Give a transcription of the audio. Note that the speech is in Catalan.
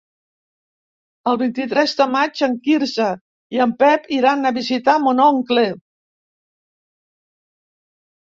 El vint-i-tres de maig en Quirze i en Pep iran a visitar mon oncle.